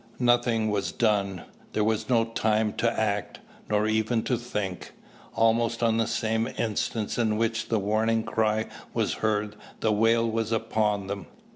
Nothing was done. There was no time to act, nor even to think. Almost on the same instant in which the warning cry was heard the whale was upon them.